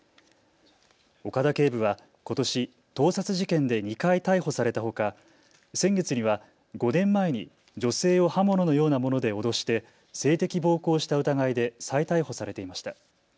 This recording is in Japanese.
岡田警部はことし、盗撮事件で２回逮捕されたほか先月には５年前に女性を刃物のようなもので脅して性的暴行をした疑いで再逮捕されていました。